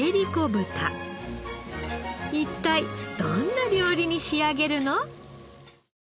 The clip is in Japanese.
一体どんな料理に仕上げるの？